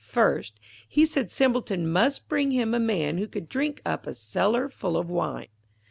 First, he said Simpleton must bring him a man who could drink up a cellar full of wine.